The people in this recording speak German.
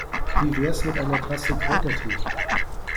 Wie wär's mit einer Tasse Kräutertee?